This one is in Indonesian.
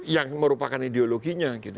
yang merupakan ideologinya gitu